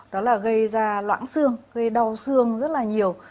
đó là gây ra loãng xương gây đau xương rất là nhiều